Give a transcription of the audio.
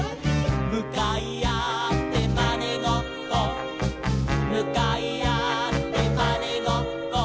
「むかいあってまねごっこ」「むかいあってまねごっこ」